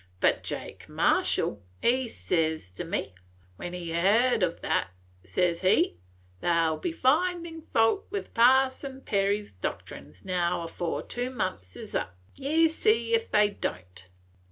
But Jake Marshall, he ses to me, when he heerd o' that, ses he, 'They 'll be findin' fault with Parson Perry's doctrines now afore two months is up; ye see if they don't.'